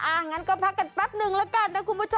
งั้นก็พักกันแป๊บนึงแล้วกันนะคุณผู้ชม